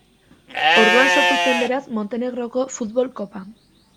Orduan sortu zen beraz Montenegroko futbol kopa.